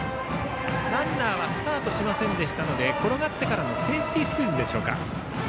ランナーはスタートしませんでしたので転がってからのセーフティースクイズでしょうか。